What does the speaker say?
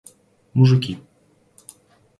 мужики